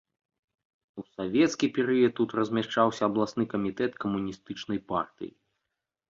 У савецкі перыяд тут размяшчаўся абласны камітэт камуністычнай партыі.